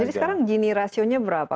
jadi sekarang gini rasionya berapa